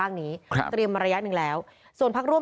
ทางคุณชัยธวัดก็บอกว่าการยื่นเรื่องแก้ไขมาตรวจสองเจน